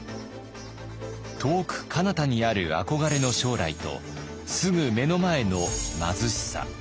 遠くかなたにある憧れの将来とすぐ目の前の貧しさ。